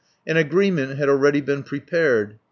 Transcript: An agreement had already been prepared.